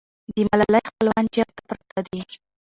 د ملالۍ خپلوان چېرته پراته دي؟